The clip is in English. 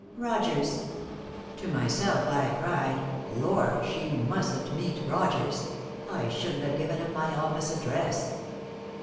Rogers!" To myself, I cried: "Lord, she mustn't meet Rogers! I shouldn't have given him my office address."